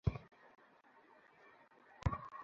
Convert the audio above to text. করলেও বা কী করব?